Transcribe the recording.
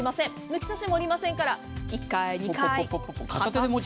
抜き差しもありませんから１階、２階。